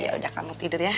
ya udah kamu tidur ya